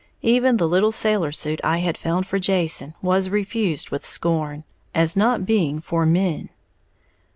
Even the little sailor suit I had found for Jason was refused with scorn, as not being "for men."